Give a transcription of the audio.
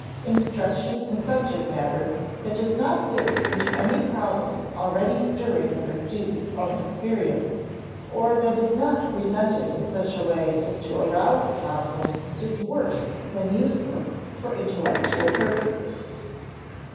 Instruction in subject matter that does not fit into any problem already stirring in the student's own experience, or that is not presented in such a way as to arouse a problem, is worse than useless for intellectual purposes.